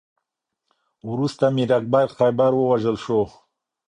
وروسته میر اکبر خیبر ووژل شو.